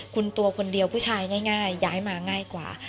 คุณตัวคนเดียวผู้ชายง่ายย้ายมาง่ายกว่า